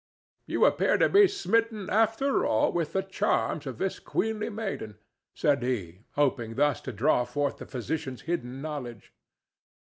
"You appear to be smitten, after all, with the charms of this queenly maiden," said he, hoping thus to draw forth the physician's hidden knowledge.